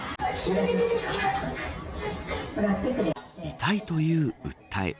痛いという訴え。